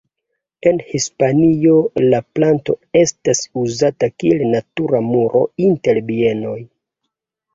En Hispanio la planto estas uzata kiel natura muro inter bienoj.